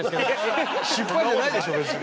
失敗じゃないでしょ別に。